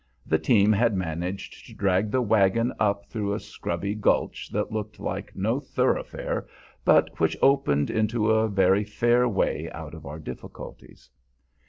The team had managed to drag the wagon up through a scrubby gulch that looked like no thoroughfare, but which opened into a very fair way out of our difficulties.